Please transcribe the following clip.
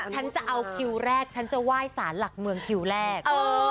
ฉันจะเอาคิวแรกฉันจะไหว้สารหลักเมืองคิวแรก